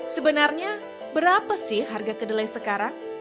sebenarnya berapa sih harga kedelai sekarang